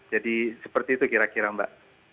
jadi seperti itu kira kira mbak